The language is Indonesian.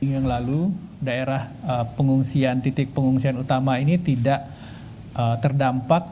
minggu yang lalu daerah pengungsian titik pengungsian utama ini tidak terdampak